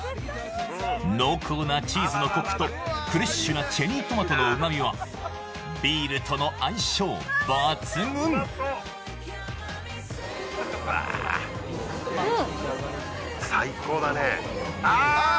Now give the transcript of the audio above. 濃厚なチーズのコクとフレッシュなチェリートマトのうまみはビールとの相性抜群最高だねあー！